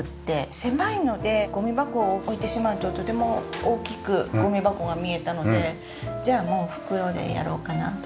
狭いのでゴミ箱を置いてしまうととても大きくゴミ箱が見えたのでじゃあもう袋でやろうかなと。